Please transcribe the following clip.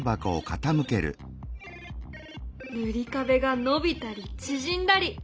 ぬりかべが伸びたり縮んだり！